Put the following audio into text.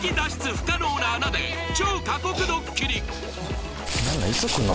不可能な穴で超過酷ドッキリいつ来んの？